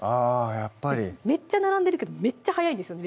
やっぱりめっちゃ並んでるけどめっちゃ早いんですよね